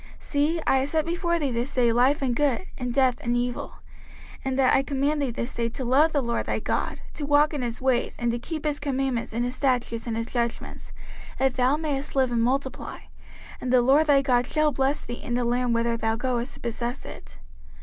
05:030:015 See, I have set before thee this day life and good, and death and evil; 05:030:016 In that I command thee this day to love the LORD thy God, to walk in his ways, and to keep his commandments and his statutes and his judgments, that thou mayest live and multiply: and the LORD thy God shall bless thee in the land whither thou goest to possess it.